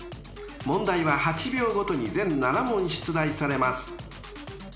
［問題は８秒ごとに全７問出題されます］